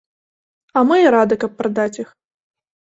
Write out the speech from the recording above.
А мы і рады, каб прадаць іх.